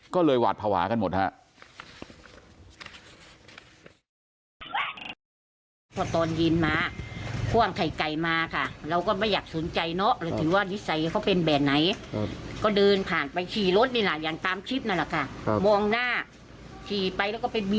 ก็เลยหวาดภาวะกันหมดฮะ